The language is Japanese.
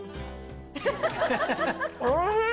おいしい！